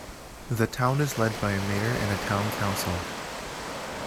The town is led by a mayor and a town council.